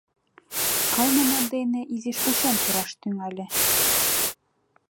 Кылмыме дене изиш ушем пураш тӱҥале.